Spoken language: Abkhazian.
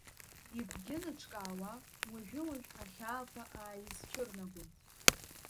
Игәгьы ныҿкаауа уажәы-уажә ахьаақәа ааизцәырнагон.